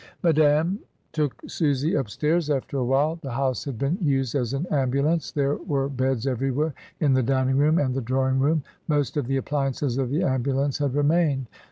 Madame took Susy upstairs after a while. The house had been used as an ambulance. There were beds everywhere — in the dining room and the draw ing room. Most of the appliances of the ambulance had remained.